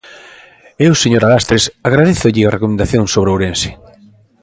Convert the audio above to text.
Eu, señora Lastres, agradézolle a recomendación sobre Ourense.